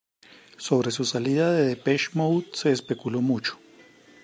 Sobre su salida de Depeche Mode se especuló mucho.